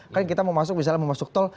kan kita mau masuk misalnya mau masuk tol